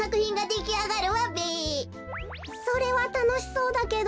それはたのしそうだけど。